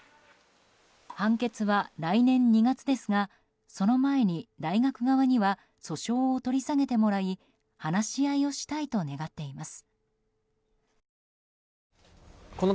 判決は来年２月ですがその前に大学側には訴訟を取り下げてもらい話し合いをしたいと願っています。